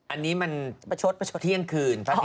อันนี้มันเที่ยงคืน